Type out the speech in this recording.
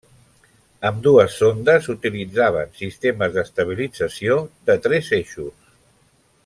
Ambdues sondes utilitzaven sistemes d'estabilització de tres eixos.